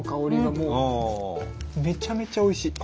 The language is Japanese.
めちゃめちゃおいしい！